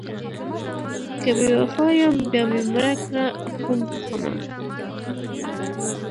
که بې وفا یم بیا مې مړه کړه خون بښمه...